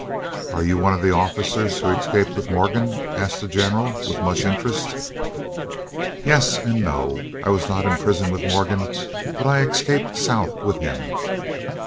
"Are you one of the officers who escaped with Morgan?" asked the General, with much interest. "Yes and no. I was not in prison with Morgan, but I escaped South with him."